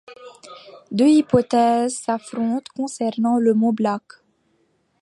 Deux hypothèses s'affrontent concernant le mot Black.